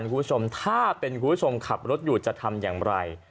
คุณผู้ชมถ้าเป็นคุณผู้ชมขับรถอยู่จะทำอย่างไร